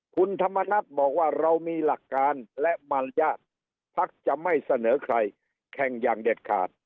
คุณธรรมนัฐบอกว่าเรามีหลักการและมารยาทภักดิ์จะไม่เสนอใครแข่งอย่างเด็ดขาด